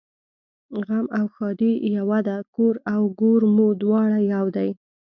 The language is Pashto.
غم او ښادي یوه ده کور او ګور مو دواړه یو دي